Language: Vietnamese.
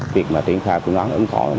việc mà triển khai phương án ứng phó